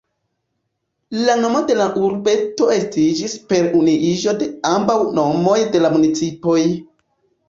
La nomo de la urbeto estiĝis per unuiĝo de ambaŭ nomoj de la municipoj.